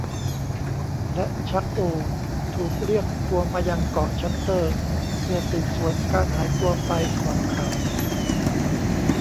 และชัค โอล ถูกเรียกตัวมายังเกาะชัตเตอร์เพื่อสืบสวนการหายตัวไปของเขา